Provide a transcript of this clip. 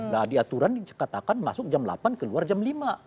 nah diaturan dikatakan masuk jam delapan keluar jam lima